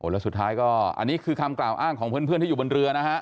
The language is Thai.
แล้วสุดท้ายก็อันนี้คือคำกล่าวอ้างของเพื่อนที่อยู่บนเรือนะฮะ